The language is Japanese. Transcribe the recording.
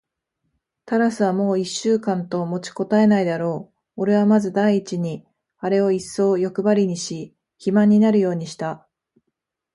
タラスはもう一週間と持ちこたえないだろう。おれはまず第一にあれをいっそうよくばりにし、肥満になるようにした。